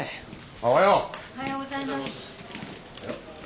おはようございます。